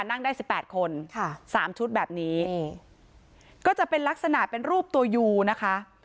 นั่งได้๑๘คน๓ชุดแบบนี้ก็จะเป็นลักษณะเป็นรูปตัวยูนะคะ